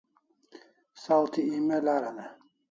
Saw thi email aran e?